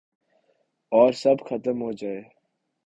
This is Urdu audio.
اور سب ختم ہوجائے